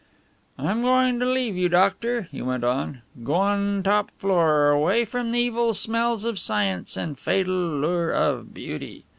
"I'm goin' to leave you, doctor," he went on, "goin' top floor, away from the evil smells of science an' fatal lure of beauty.